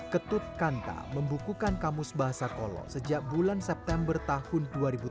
ketut kanta membukukan kamus bahasa kolo sejak bulan september tahun dua ribu tujuh belas